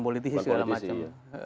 politis segala macam